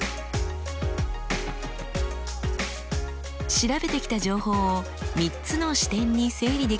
調べてきた情報を３つの視点に整理できました。